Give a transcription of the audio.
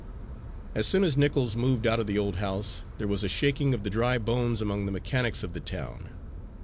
As soon as Nichols moved out of the old house, there was a shaking of the dry bones among the mechanics of the town.